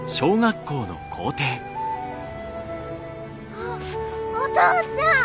あお父ちゃん！